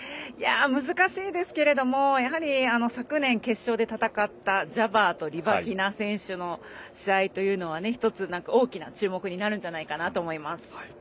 難しいですけれどもやはり、昨年決勝で戦ったジャバーとリバキナ選手の試合というのは１つ大きな注目になると思います。